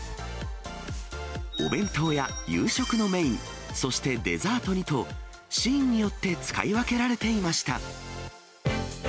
お弁当や夕食のメイン、そしてデザートにと、シーンによって使い分けられていました。